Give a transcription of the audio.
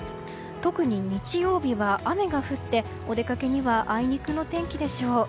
特に日曜日は雨が降ってお出かけにはあいにくの天気でしょう。